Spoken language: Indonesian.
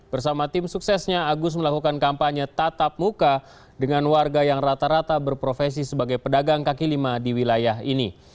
bersama tim suksesnya agus melakukan kampanye tatap muka dengan warga yang rata rata berprofesi sebagai pedagang kaki lima di wilayah ini